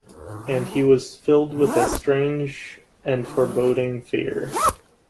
And he was filled with a strange and foreboding fear.